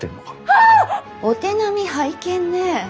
は！お手並み拝見ね。